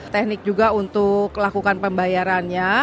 teknik juga untuk lakukan pembayarannya